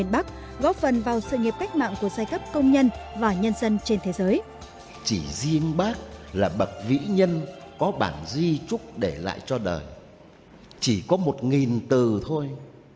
bác chỉ dành riêng cho bác có bảy mươi chín từ thôi